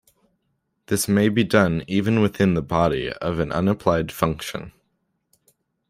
This may be done even within the body of an unapplied function.